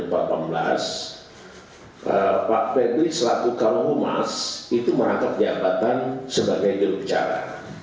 pak ferdy selaku kalung emas itu merangkap pejabatan sebagai geluk cara